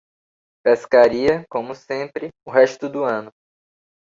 Pescaria, como sempre, o resto do ano.